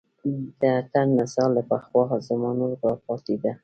د اتڼ نڅا له پخوا زمانو راپاتې ده